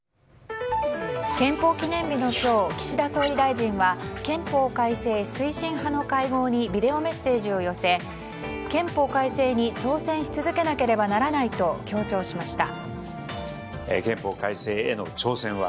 憲法記念日の今日岸田総理大臣は憲法改正推進派の会合にビデオメッセージを寄せ憲法改正に挑戦し続けなければならないと強調しました。